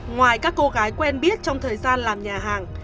ngoài các cô gái quen biết trong thời gian làm nhà hàng